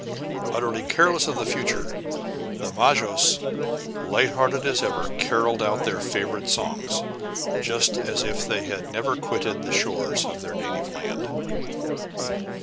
Utterly careless of the future, the majos, light hearted as ever, carolled out their favorite songs, just as if they had never quitted the shores of their native land.